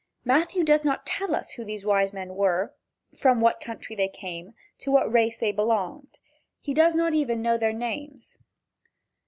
Matthew does not tell us who these wise men were, from what country they came, to what race they belonged. He did not even know their names.